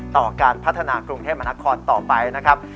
ต่อการพัฒนากรุงเทพมนาคอนต่อไปนะครับ